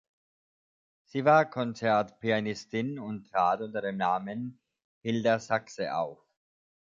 Sie war Konzertpianistin und trat unter dem Namen Hilda Saxe auf.